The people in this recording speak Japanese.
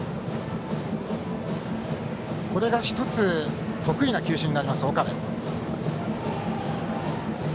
これが１つ得意な球種になります、岡部。